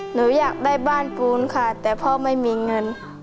หนูอยากได้บ้านปูนค่ะแต่พ่อไม่มีเงิน